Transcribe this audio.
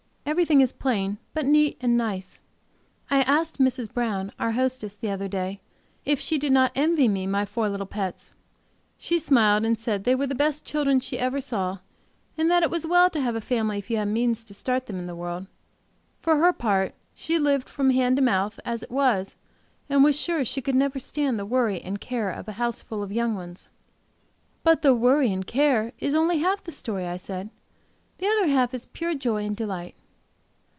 Everything is plain, but neat and nice. I asked Mrs. Brown, our hostess; the other day, if she did not envy me my four little pets; she smiled, said they were the best children she ever saw, and that it was well to have a family if you have means to start them in the world; for her part, she lived from, hand to mouth as it was, and was sure she could never stand the worry and care of a house full of young ones. "But the worry and care is only half the story," I said. "The other half is pure joy and delight."